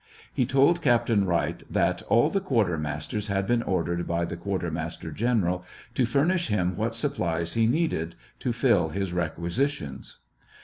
He told Captain Wright that "all the quartermasters had been ordered by the quartermaster generalto furnish him what supplies he needed to fill his requisitions."